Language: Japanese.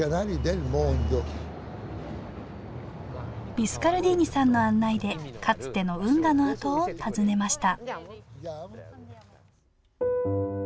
ビスカルディーニさんの案内でかつての運河の跡を訪ねました